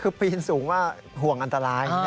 คือปีนสูงว่าห่วงอันตราย